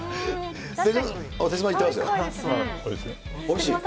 おいしい。